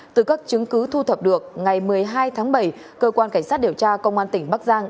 từ các chứng cứ thu thập được ngày một mươi hai tháng bảy cơ quan cảnh sát điều tra công an tỉnh bắc giang